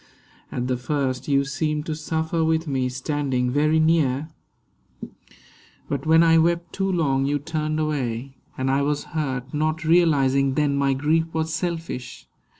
At the first you seemed To suffer with me, standing very near; But when I wept too long, you turned away. And I was hurt, not realising then My grief was selfish.